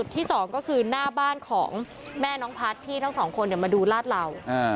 ที่สองก็คือหน้าบ้านของแม่น้องพัฒน์ที่ทั้งสองคนมาดูลาดเหล่า